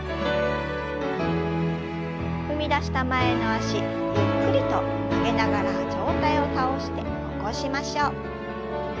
踏み出した前の脚ゆっくりと曲げながら上体を倒して起こしましょう。